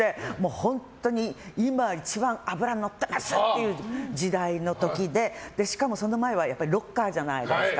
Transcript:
役者として、本当に今一番脂がのった役者という時代の時でしかも、その前はロッカーじゃないですか。